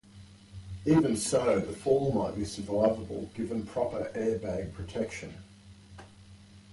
Even so, the fall might be survivable given proper airbag protection.